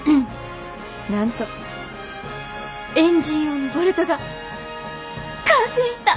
なんとエンジン用のボルトが完成した！